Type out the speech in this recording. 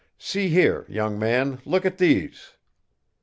See here, young man, look at these!"